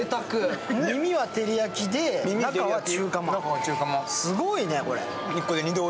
耳は照焼きで、中は中華まん、すごいね、これ。